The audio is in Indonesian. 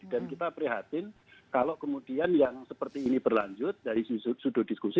dan kita prihatin kalau kemudian yang seperti ini berlanjut dari sudut diskusi